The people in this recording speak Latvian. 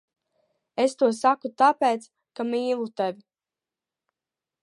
Es to saku tāpēc, ka mīlu tevi.